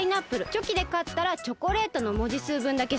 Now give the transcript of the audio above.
チョキでかったらチョコレートのもじすうぶんだけすすめるのね。